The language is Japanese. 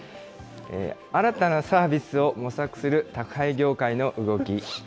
新たなサービスを模索する宅配業界の動き。